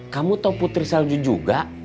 kamu tau putih salju juga